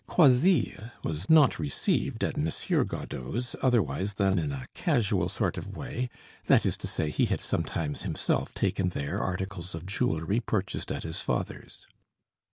Croisilles was not received at M. Godeau's otherwise than in a casual sort of way, that is to say, he had sometimes himself taken there articles of jewelry purchased at his father's.